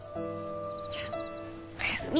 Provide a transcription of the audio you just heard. じゃあおやすみ。